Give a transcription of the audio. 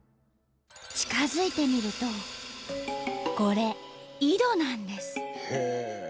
近づいてみるとこれ井戸なんです。